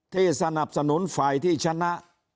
ที่สนับสนุนฝ่ายที่ชนะ